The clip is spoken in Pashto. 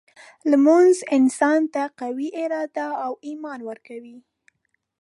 لمونځ انسان ته قوي اراده او ایمان ورکوي.